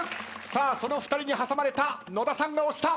さあその２人に挟まれた野田さんが押した。